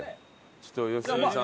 ちょっと良純さん。